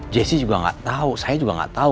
jesse juga gak tau saya juga gak tau